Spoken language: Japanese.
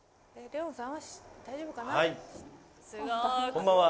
こんばんは。